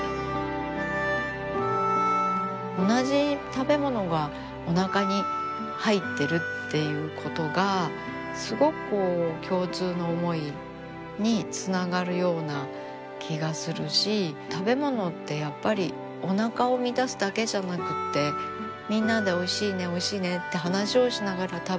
同じ食べ物がおなかに入ってるっていうことがすごくこう共通の思いにつながるような気がするし食べ物ってやっぱりおなかを満たすだけじゃなくてみんなで「おいしいねおいしいね」って話をしながら食べること